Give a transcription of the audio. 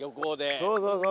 そうそうそう。